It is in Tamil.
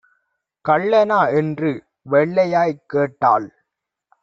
"கள்ளனா" என்று வெள்ளையாய்க் கேட்டாள்.